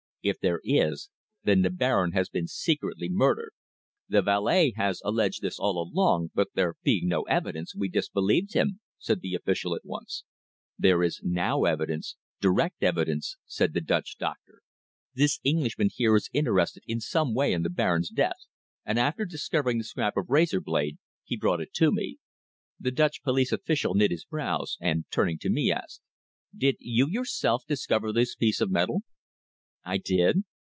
If there is then the Baron has been secretly murdered!" "The valet has alleged this all along, but there being no evidence we disbelieved him," said the official at once. "There is now evidence direct evidence," said the Dutch doctor. "This Englishman here is interested in some way in the Baron's death, and after discovering the scrap of razor blade he brought it to me." The Dutch police official knit his brows, and turning to me, asked: "Did you yourself discover this piece of steel?" "I did.